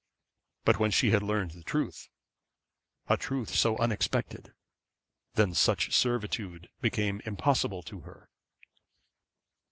But when she had learned the truth, a truth so unexpected, then such servitude became impossible to her.